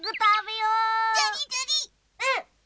うん！